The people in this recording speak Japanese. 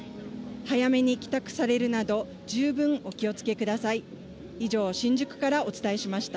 早めに帰宅されるなど、十分お気をつけください。